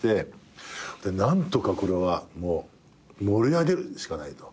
何とかこれはもう盛り上げるしかないと。